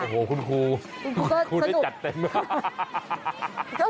โอ้โหคุณครูคุณได้จัดเต็ม